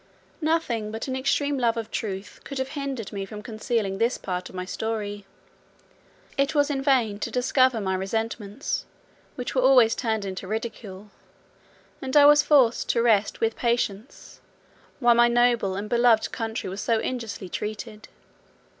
Nothing but an extreme love of truth could have hindered me from concealing this part of my story. It was in vain to discover my resentments, which were always turned into ridicule; and I was forced to rest with patience, while my noble and beloved country was so injuriously treated.